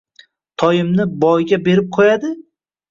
Toyimni boyga berib qo‘yadi?